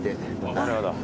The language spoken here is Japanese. なるほど。